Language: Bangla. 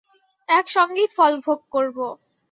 একসঙ্গেই ফল ভোগ করব।